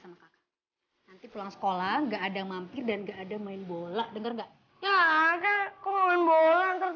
nanti pulang sekolah nggak ada mampir dan nggak ada main bola denger nggak